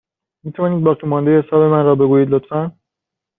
می توانید باقیمانده حساب من را بگویید، لطفا؟